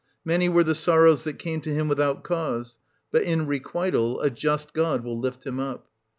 Many were the sorrows that came to him without cause; but in requital a just god will lift him up.